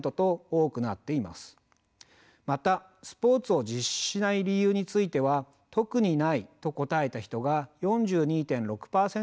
またスポーツを実施しない理由については特にないと答えた人が４２．６％でした。